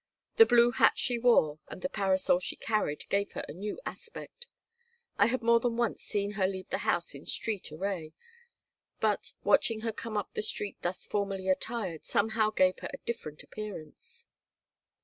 The blue hat she wore and the parasol she carried gave her a new aspect. I had more than once seen her leave the house in street array, but watching her come up the street thus formally attired somehow gave her a different appearance.